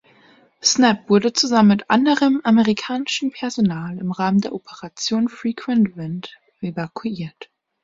Snepp wurde zusammen mit anderem amerikanischen Personal im Rahmen der Operation Frequent Wind evakuiert.